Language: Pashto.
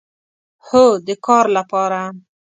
هو، د کار لپاره